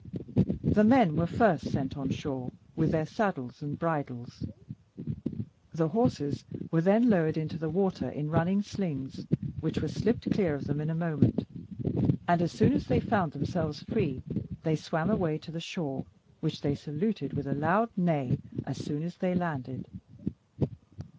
The men were first sent on shore with their saddles and bridles: the horses were then lowered into the water in running slings, which were slipped clear off them in a moment; and as soon as they found themselves free, they swam away for the shore, which they saluted with a loud neigh as soon as they landed.